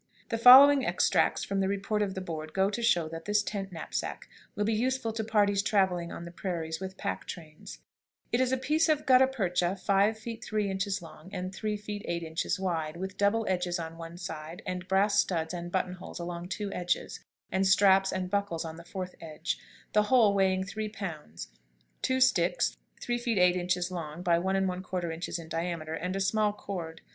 The following extracts from the Report of the Board go to show that this tent knapsack will be useful to parties traveling on the prairies with pack trains: "It is a piece of gutta percha 5 feet 3 inches long, and 3 feet 8 inches wide, with double edges on one side, and brass studs and button holes along two edges, and straps and buckles on the fourth edge; the whole weighing three pounds; two sticks, 3 feet 8 inches long by 1 1/4 inches in diameter, and a small cord.